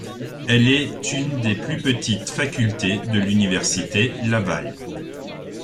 Elle est une des plus petites facultés de l’Université Laval.